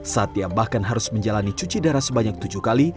satya bahkan harus menjalani cuci darah sebanyak tujuh kali